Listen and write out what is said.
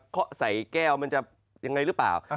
เขาใส่แก้วมันจะยังไงหรือเปล่า